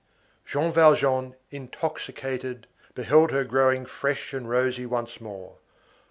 Jean Valjean, intoxicated, beheld her growing fresh and rosy once more.